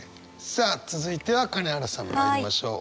さあ続いては金原さんまいりましょう。